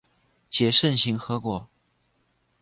结肾形核果。